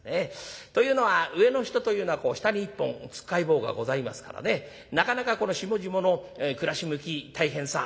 というのは上の人というのは下に１本つっかい棒がございますからねなかなか下々の暮らし向き大変さそういったものが理解できない。